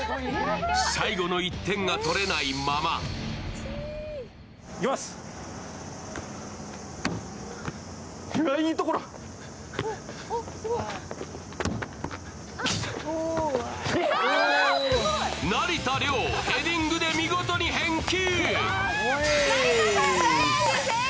最後の１点が取れないまま成田凌、ヘディングで見事に返球！